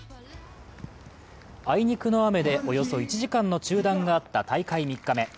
あいにくの雨で、およそ１時間の中断があった大会３日目。